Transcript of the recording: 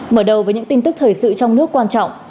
mở đầu với những tin tức thời sự trong nước quan trọng